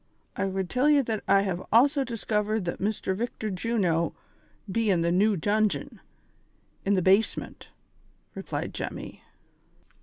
I would tell j e that I have also diskivered that Mr. Victor Juno be in the new dungeon, in the base ment," replied Jemmy.